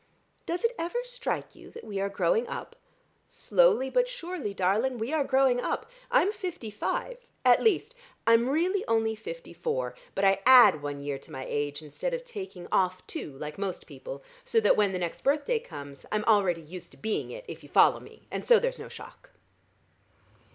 Does it ever strike you that we are growing up? Slowly, but surely, darling, we are growing up. I'm fifty five: at least, I'm really only fifty four, but I add one year to my age instead of taking off two, like most people, so that when the next birthday comes, I'm already used to being it, if you follow me, and so there's no shock."